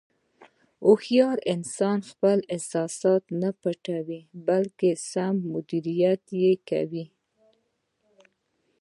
هوښیار انسان خپل احساسات نه پټوي، بلکې سم مدیریت یې کوي.